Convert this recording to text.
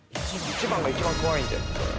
１番が一番怖いんで。